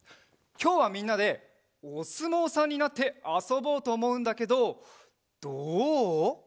きょうはみんなでおすもうさんになってあそぼうとおもうんだけどどう？